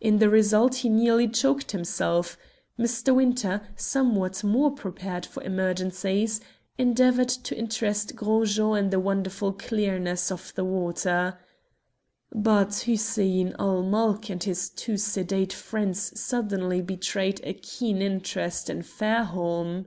In the result he nearly choked himself. Mr. Winter, somewhat more prepared for emergencies, endeavoured to interest Gros Jean in the wonderful clearness of the water. But Hussein ul Mulk and his two sedate friends suddenly betrayed a keen interest in Fairholme.